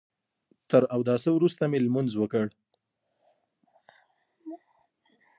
تر اوداسه وروسته مې لمونځ وکړ.